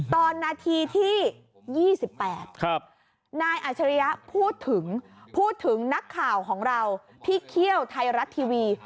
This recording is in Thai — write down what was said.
ตอนนาทีที่๒๘นายอัชริยะพูดถึงพูดถึงนักข่าวของเราที่เขี้ยวไทยรัฐทีวี